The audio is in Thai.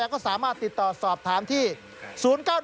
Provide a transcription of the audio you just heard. แล้วก็สามารถติดต่อสอบถามที่๐๙๑๑๓๘๙๘๒๙นะครับ